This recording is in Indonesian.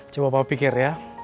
coba pak pikir ya